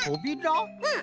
うん。